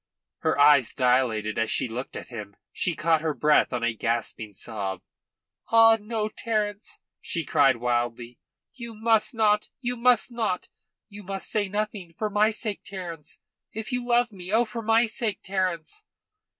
Her eyes dilated as she looked at him. She caught her breath on a gasping sob. "Ah no, Terence," she cried wildly. "You must not; you must not. You must say nothing for my sake, Terence, if you love me, oh, for my sake, Terence!"